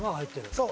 そう！